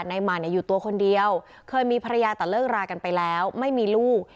หมั่นอยู่ตัวคนเดียวเคยมีภรรยาแต่เลิกรากันไปแล้วไม่มีลูก